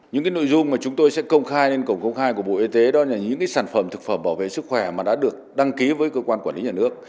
những nội dung mà chúng tôi sẽ công khai lên cổng công khai của bộ y tế đó là những sản phẩm thực phẩm bảo vệ sức khỏe mà đã được đăng ký với cơ quan quản lý nhà nước